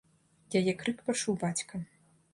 Яе крык пачуў бацька.